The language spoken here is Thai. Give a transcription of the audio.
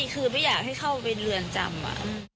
คือไม่อยากให้เข้าไปเรือนจำ